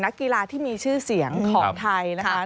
นักกีฬาที่มีชื่อเสียงของไทยนะคะ